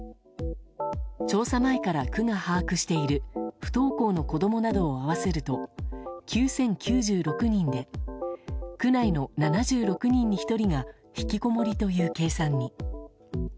調査前から区が把握している不登校の子供などを合わせると９０９６人で区内の７６人に１人がひきこもりという計算に。